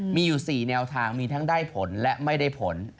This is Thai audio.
มีอยู่๔แนวทางมีทั้งได้ผลและไม่ได้ผล